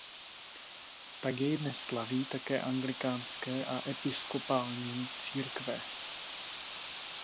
Tak jej dnes slaví také anglikánské a episkopální církve.